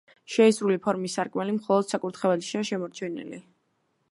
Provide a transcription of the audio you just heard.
შეისრული ფორმის სარკმელი მხოლოდ საკურთხეველშია შემორჩენილი.